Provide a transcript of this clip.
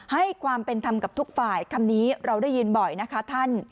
ให้ความเป็นธรรมกับทุกฝ่ายคำนี้เราได้ยินบ่อยนะคะท่าน